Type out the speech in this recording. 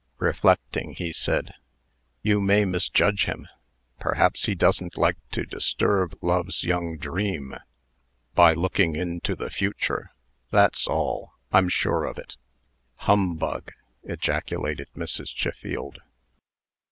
Reflecting, he said: "You may misjudge him. Perhaps he doesn't like to disturb Love's young dream, by looking into the future. That's all I'm sure of it." "Humbug!" ejaculated Mrs. Chiffield.